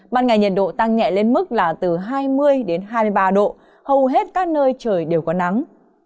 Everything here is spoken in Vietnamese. ban ngày nhiệt độ tăng nhẹ lên mức là từ hai mươi hai mươi ba độ hầu hết các nơi trời đều có nắng